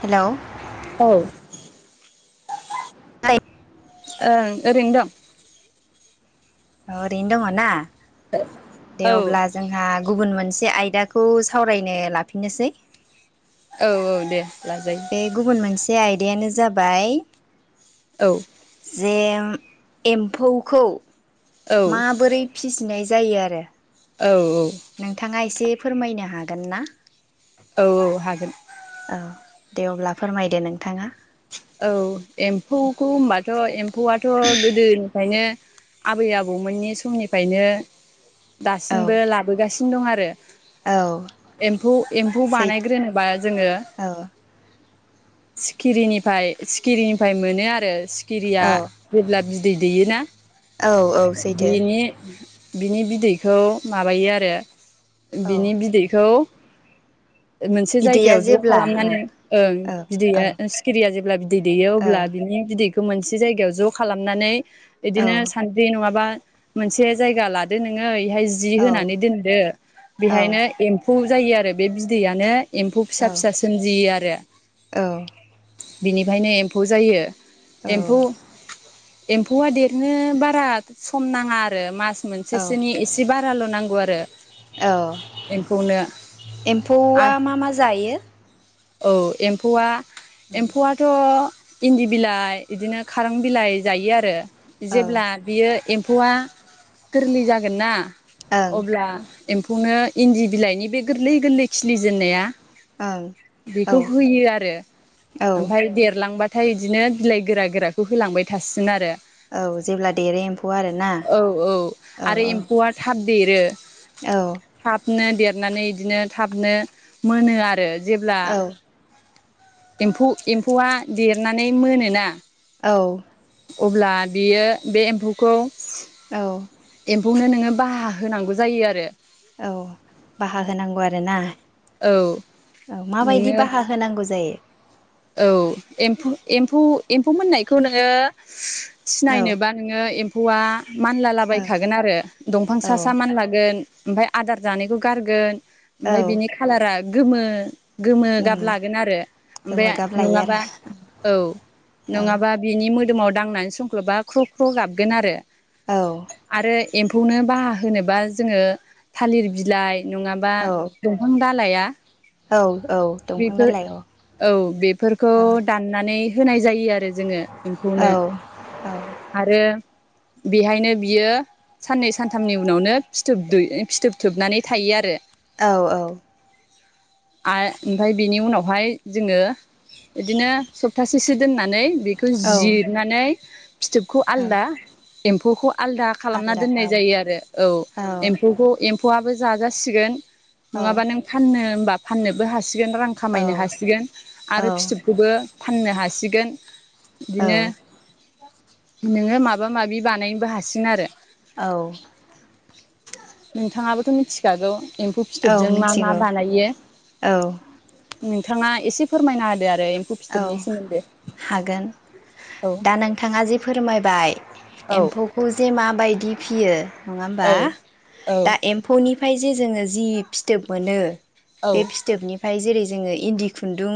Hello औ [inaudible] ओं ओरैनो दं ओरैनो दङ ना दे औ अब्ला जोंहा गुबुन मोनसे से आयदाखौ सावरायनो लाफिननोसै औ औ दे बे लाजायो गुबुन मोनसे आयदा आयदायानो जाबाय औ जे एम्फौखौ औ माबोरै फिसिनाय जायो जायो आरो औ नोंथाङा एसे फोरमायनो हागोन ना औ हागोन औ दे अब्ला फोरमायदो नोंथाङा औ एम्फौखौ होनबाथ' एम्फौआथ' गोदोनिफ्रायनो आबै आबौमोननि समनिफ्रायनो औ दासिमबो लाबोगासिनो फिन दं आरो औ एम्फौ एम्फौ सै बानायग्रोनोबा जोङो औ सिखिरिनि ओमफ्राय सिखिरिनिफ्राय मोनो आरो खिरिया औ जेब्ला बिदै दैयो ना औ औ सैथो बिनि बिनि बिदैखौ माबायो आरो ओ औ बिनि बिदैखौ ओ मोनसे बिदैया जायगायाव ज' जेब्ला ओं खालामनानै ओं औ बिदैया औ सो या जेब्ला बिद बिदै दैयो औ अब्ला बिनि बिदै खौ मोनसे जायगायाव ज' खालामनानै औ बिदिनो सानद्रि नङाबा मोनसे जायगा लादो नोङो इहाय जि होनानै औ दोनदो बेहायनो एम्फौ जायो आरो बे बिदैयानो एम्फौ फिसा फिसा सोमजियो आ [unintelligible] औ बिनिफायनो एम्फौ जायो। औ एम्फौ औ एम्फौआ देरनो बारा सम नाङा आरो मास औ मोनसेसोनि एसे बा राल' नांगौ आरो। औ एम्फौनो एम्फौआ मा मा जायो औ एम्फौआ औ एम्फौआथ' इन्दि बिलाइ इदिनो खारां बिलाइ जायो आरो। जेब्ला ओं बियो एम्फौआ गोरलै जागोन ना अब्ला एम्फौनो इन्दि बिलाइनि बे गोरलै गोरलै खिलिजेननाया ओं औ बिखौ होयो आरो। औ ओमफाय देरला लांबाथाय इदिनो बिलाइ गोरा गोराखौ होलांबाय थासिगोन आरो औ जेब्ला देरो एम्फौ आरोना औ औ औ आरो औ एम्फौआ थाब देरो औ थाबनो देर नानै इदिनो थाबनो मोनो आरो। जेब्ला औ एम्फौ एम्फौआ देरनानै मोनोना औ अब्ला बियो बे एम्फौखौ औ बेखौनो नोङो बाहा होनांगौ जायो आरो औ बाहा होनांगौ आरोना औ औ माबायदि नोङो बाहा होनांगौ बुजायो औ एमफौ एम्फौ एम्फौ मोननायखौ नोङो औ सिनायनोबा नोङो हौवा औ मानलालाबायखागोन आरो दंफां सा सा मानलागोन ओमफाय आदार जानायखौ गारगोन औ ओमफय बिनि खाालारा गोमो गोमो उम गाब लागोन आरो गोमो ओमफाय गाब लायो नङाबा औ नङाबा आरो बिनि मोदोमाव दांनानै संख्लबा ख्र' ख्र' गाबगोन आरो औ आरो एम्फौनो बाहा होनोबा जोङो थालिर बिलाइ नङाबा औ दंफां दालाइया औ औ दंफां बेफोर दालाइ औ औ बेफोरखौ दाननानै होनाय जायो आरो जोङो औ एम्फौनो आरो बेहायनो बियो साननै सानथामनि उनावनो फिथोब दै फिथोब थोबनानै थायो आरो औ औ आ ओमफ्राय बेनि उनावहाय जोङो बिदिनो सप्तासेसो दोननानै बेखौ जिरनानै फिथोबखौ औ आलदा एम्फौखौ आलदा खालामना आलदा दोननाय औ जायो आरो औ एम्फौखौ एम्फौआबो जाजासिगोन औ नङाबा नों फाननो बा फाननोबो हासिग गोन रां खामायनो हासि गोन आरो औ फिथोबखौबो फाननो हासिगोन औ बिदिनो नोङो माबा माबा माबि बानायनोबो हासिगोन आरो औ नोंथाङाबोथ मिथिखागौ एम्फौ औ फिथोबजों मा मा मिथिगौ बानायो औ नोंथाङा एसे फोरमायनो औ हागोन औ दा नोंथाङा जे फोरमायबाय औ एम्फौखौ जे माबाय दि फियो नङा होमबा औ औ दा एम्फौनिफ्राय जि जोङो जि फिथोब मोनो औ बे फिथोबनिफ्राय जेरै जोङो इन्दि खुन्दुं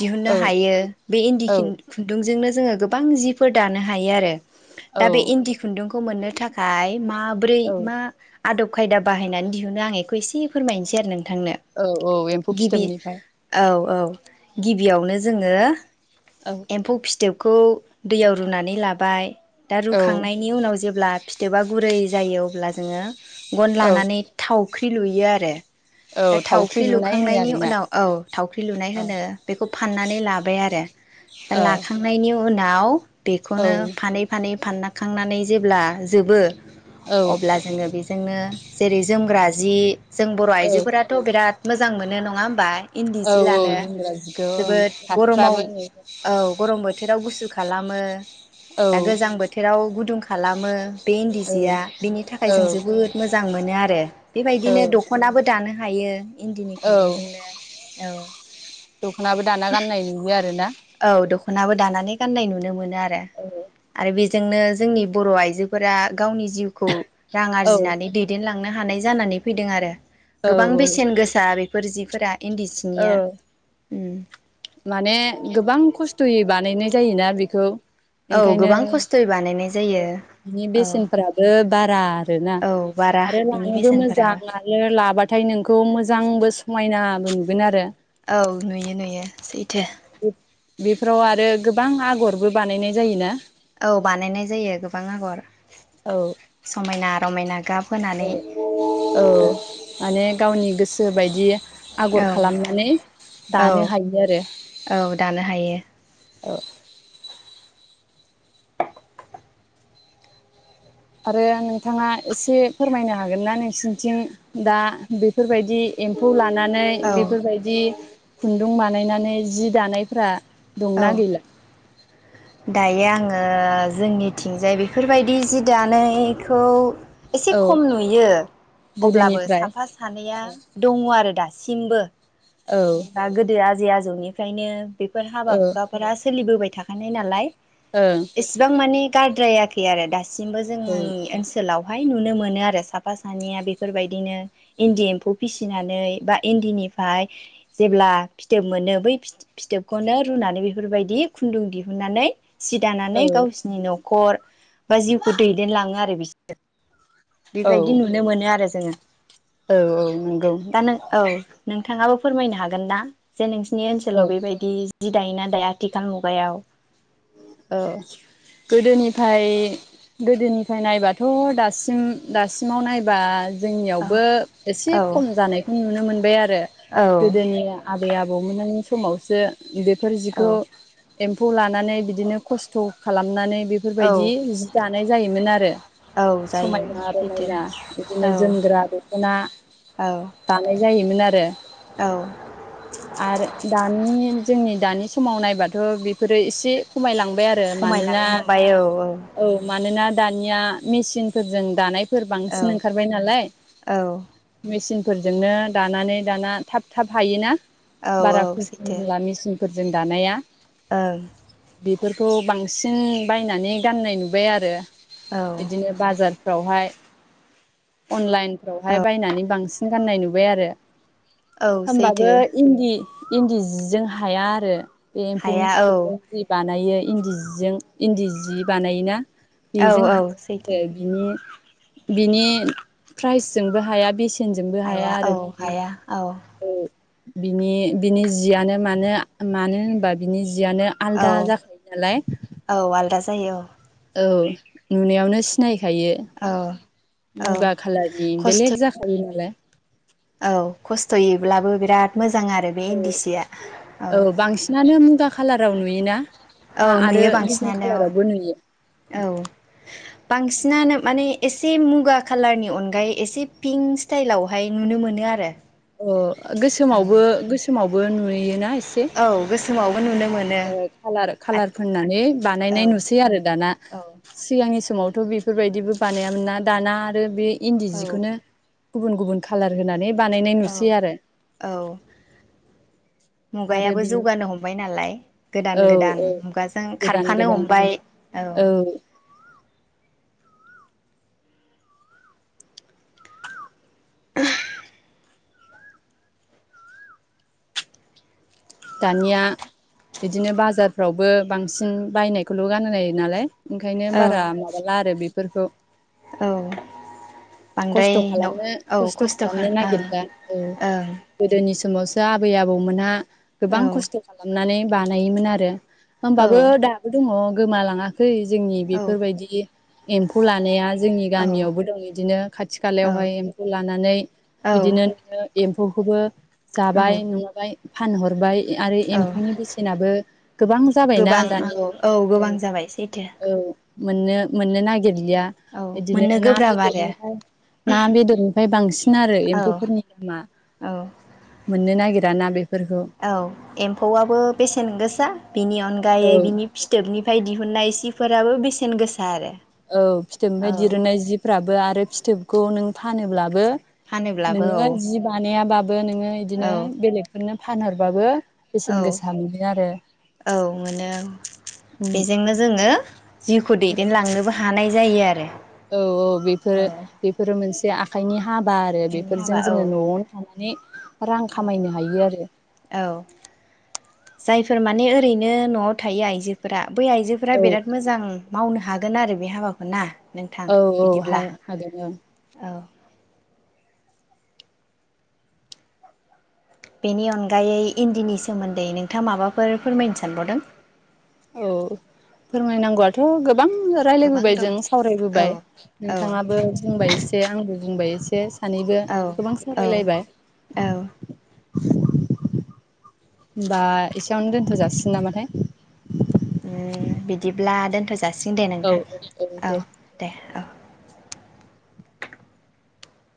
दिहुननो औ हायो बे इन्दि औ खिन खुन्दुंजोंनो जोङो गोबां जिफोर दानो हायो आरो दा बे औ इन्दि खुन्दुंखौ खौ मोननो थाखाय माब्रै औ मा आदब खायदा बाहायनानै दिहुनो आं एखौ एसे फोरमायनोसै आरो नों थांनो औ औ एम्फौ गिबि फिथोबनिफ्राय औ औ जोङो औ एम्फौ फिथोब खौ दैयाव रुनानै लाबाय दा औ रुखांनायनि उनाव जेब्ला फिथोबा गुरै जायो अब्ला जोङो गन औ लानानै थाव थावख्रि लुयो आरो औ दा थावख्रि लुनाय होनो लुखांनायनि आरोना उनाव औ थावख्रि लुनाय औ होनो बेखौ फाननानै लाबाय आरो दा औ लाखांनायनि उनाव औ बेखौनो फानै फानै फानना खांनानै जेब्ला जोबो औ अब्ला जोङो बेजोंनो जेरै जोमग्रा जि जों बर' औ आइजोफोराथ' बिराद मोजां मोनो नङा होमबा इन्दि औ जि औ लानो जोमग्रा जिखौ ओं जोबोद गरमाव फास्राबो औ गरम बोथोराव गुसु खालामो औ दा गोजां बोथोराव गुदुं खालामो बे इन्दि औ जिया बेनि थाखाय औ जों जोबोद मोजां मोनो आरो औ बेबायदिनो दख'नाबो दानो हायो इन्दिनि औ खुन्दुंजोंनो औ दख'नाबो दाना गाननाय नुयो आरोना औ दख'नाबो दानानै गाननाय नुनो मोनो आरो आरो जोंनो जोंनि बर' आइजोफोरा गावनि जिउखौ रां औ आरजिनानै दैदेनलां थांनो हानाय जानानै फैदों आरो औ गोबां बेसेन गोसा बेफोर बेफोर जिफोरा इन्दि औ सिनिया उम माने गोबां खस्थ' थयै बानायनाय जायोना बेखौ औ ओंखायनो गोबां खस्थ'यै बानायनाय जायो बिनि औ बेसेनफ्राबो बारा आरोना औ बारा आरो बिनि लानोबो मोजां बेसेनफोराबो आरो लाबाथाय नोंखौ मोजांबो समायना नुगोन आरो औ नुयो नुयो सैथो बेफोराव आरो गोबां आगरबो बानायनाय जायोना औ बानायनाय जायो गोबां आगर समायना रमायना गाब होनानै औ औ माने गावनि गोसो सोबायदि औ आगर खालामनानै औ दानो हायो आरो औ दानो हायो औ आरो नोंथाङा एसे फोरमायनो हागोन ना नोंसिनिथिं दा बेफोरबायदि एम्फौ लानानै औ नानै बेफोरबायदि खुन्दुं बानायनानै जि दानायफ्रा औ दंना गैला दायो आङो जोंनिथिंजाय बेफोरबायदि जि दानोयखौ एसे औ खम नुयो अब्लाबो गोदोनिफ्राय साफा सानैया दङ आरो दा सिमबो औ ओ [unintelligible] जै आजौनिफ्रायनो बेफोर हाबा ओं हुखाफोरा सोलिबोबाय थाखानाय नालाय औ एसेबां मानि गारद्रायाखै आरो दास सिमबो जोंओंनि ओनसोलाव हाय नुनो मोनो आरो साफा सानैया बेफोरबायदिनो इन्दि एम्फौ फिसिनानै बा इन्दिनिफाय जेब्ला फिथोब मोनो बै फिथो फिथोबखौनो रुनानै बेफोरबायदि खुन्दुं दिहुननानै सि औ दानानै गावसिनि न' खर बा जिउखौ दैदेनलाङो आरो बिसोर। औ बिबायदि नुनो मोनो आरो जो जोङो। औ औ नोंगौ। थाङाबो फोरमायनो हागोन ना जे नोंस सिनि ओनसोलाव बेबायदि जि दायो ना दाया आथिखाल मुगायाव। औ गोदोनिफाय गोदोनिफाय नायबाथ' दासिम दासिमाव नायबा औ जोंनियावबो एसे औ खम जानायखौ नुनो मोनबाय आरो औ गोदोनि आबै आबौमोनानि समावसो बेफोर जिखौ औ एम्फौ लानानै बिदिनो खस्थ' खालामनानै बेफोरबायदि औ जि दानाय जायोमोन आरो औ जायो समायना सैथो रमायना इदिनो औ जोमग्रा दख'ना औ दानाय जायोमोन आ औ [unintelligible] आरो दानि जोंनि दानि समाव नायबाथ' बिफोरो एसे खमायलां बाय आरो मानोना खमायलांनो हमबाय औ औ ओ मानोना दानिया मिचीनफोरजों दानाय फोर बांसिन औ ओंखारबाय नालाय औ मिचिन फोरजोंनो दानानै दाना थाब थाब हायोना औ बारा औ खुुब सैथो लाला मिस [unintelligible] फोरजों दानाया ओं बेफोरखौ बांसिन बायनानै गाननाय नुबाय आरो औ बिदिनो बाजार फोरावहाय अनलाइन बेवहाय बायनानै बांसिन गाननाय नुबाय आरो औ होमबाबो सैथो इन्दि इन्दि जिजों हाया आरो बे एम्फौनि हाया औ फिथोबजों जि बानायो इन्दि जिजों इन्दि जि बानायोना औ बेजों औ हाया सैथो आरो बिनि बिनि फ्राइसजोंबो हाया बेसे नजोंबो हाया आरो बिनि ब [inaudible] बिनि बिनि जियानो मानो मानो होनबा बिनि जि यानो औ आलदा जाखायो नालाय औ आलदा जायो औ नुनायावनो सिनाय खायो औ औ मुगा खालारनि खस्थ' बेलेग जाखायो [unintelligible] औ खस्थ'यैब्लाबो बिराद मो औ औ बांसिनानो मुगा खालाराव नुयोना ना औ आरो नुयो गुबुन बांसिनानो खालारावबो नुयो औ बांसिना नानो माने एसे मुगा कलारनि अनगायै एसे पिंक स्टाइलावहाय नुनो मोनो आरो अ गोसोमावबो गोसोमाव बो नुयोना एसे औ गो सोमाव ओ खालार खालार फोननानै औ बानायनाय नुसै आरो दाना सिगां नि समावथ' बेफोरबायदिबो बानायामोन ना दाना आरो बे इन्दि औ जिखौनो गुबुन गुबुन खालार होनानै बानायनाय नुसै आरो औ आरो मुगायाबो बिनि जौगानो हमबाय नालाय गोदान औ गोदान औ मुगाजों गोदान खारफानो गोदान हमबाय औ [inaudible] दानिया बिदिनो बाजारफ्रावबो बांसिन बायनायखौल' गान नाय नालाय ओंखायनो औ बारा माबाला आरो बेफोरखौ औ बांद्राय खस्थ' न' खालामनो औ खस्थ' खालामनो खालाम नागिरला औ गोदो नि समावसो आबै आबौमोनहा गोबां ओं खस्थ' खालामनानै बानायोमोन आरो होमबाबो ओं दाबो दङ गोमालाङा खै जोंनि औ बेफोरबायदि एम्फौ लानाया जोंनि औ गामियावबो दं बिदिनो खाथि औ खालायावहाय एम्फौ लानानै बिदिनो नो एम्फौखौबो औ जाबाय नङाबाय फानहरबाय आरो औ एम्फौनि बेसेनाबो गोबां जाबायना गोबां औ दानिया औ गोबां जाबाय सैथो औ मोननो मोननो नागिरै या औ इदिनो मोननो ना गोब्राब आरो बेदरनिफ्राय ना बेदरनिफ्राय बांसिन आरो औ एम्फौफोरनि दामा औ मोननो नाङा नागिरा ना बे औ एम्फौआबो बेसेन गोसा बिनि औ अनगायै बिनि फिथोबनिफ्राय दिहुननाय सि फोराबो बेसेन गोसा आरो औ फिथोबनिफ्राय औ दिरुननाय जिफ्राबो आरो फिथोबखौ नों फानोब्लाबो फानोब्लाबो नोङो औ जि बानायाबा बो नोङो औ बिदिनो बेलेगफोरनो फानहरबाबो औ बेसेन गोसा मोनो आरो औ मोनो औ उम बेजोंनो जोङो जिउखौ दैदेनलांनोबो हानाय जायो आरो औ औ औ बेफोरो बेफोरो मोनसे जे आखाइनि हाबा आरो आखाइनि बेफोरजों हाबा औ जोङो नआवनो थानाय नि रां औ खामायनो हायो आरो औ जायफोर माने ओरैनो नआव थायो आइजोफोरा बै आइजोफोरा औ बिराद मोजां मावनो हाग गोन आरो बे हाबाखौ ना नोंथां औ औ हा बिदिब्ला हागोन औ बेनि अनगायै इन्दिनि सोमोन्दै नोंथाङा माबाफोर फोरमायनो सानबावदों औ फोरमायनांगौआथ गोबां गोबां राय्लायबोबाय जों औ सावरायबोबाय औ नोंथाङाबो बुंबाय एसे एसे आंबो बुंबाय एसे सानैबो औ गोबां औ सावरायलायबाय होमबा एसेयावनो दोनथ जाासिगोन नामाथाय उम बिदिब्ला दोनथ'सै जासिगोन दे नोंथां औ दे औ